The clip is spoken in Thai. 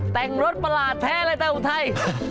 แต่งรถประหลาดแท้เลยแต่อุทัย